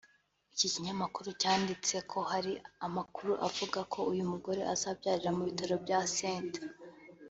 Iki kinyamakuru cyanditse ko hari amakuru avuga ko uyu mugore azabyarira mu bitaro bya St